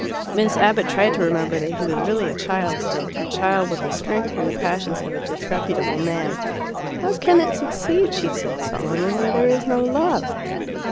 Miss Abbott tried to remember that he was really a child still a child with the strength and the passions of a disreputable man. "How can it succeed," she said solemnly, "where there is no love?"